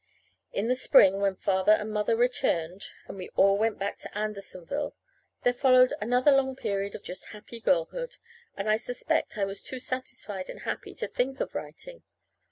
In the spring, when Father and Mother returned, and we all went back to Andersonville, there followed another long period of just happy girlhood, and I suspect I was too satisfied and happy to think of writing.